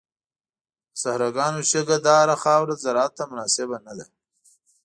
د صحراګانو شګهداره خاوره زراعت ته مناسبه نه ده.